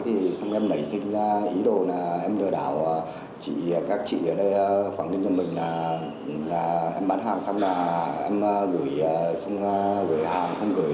thì xong em nảy sinh ý đồ là em lừa đảo các chị ở đây quảng ninh cho mình là em bán hàng xong là em gửi hàng không gửi